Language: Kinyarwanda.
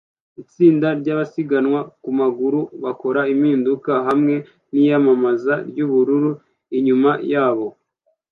Itsinda ryabasiganwa ku maguru bakora impinduka hamwe niyamamaza ry'ubururu inyuma yabo